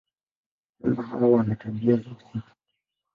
Viumbe hawa wana tabia za usiku.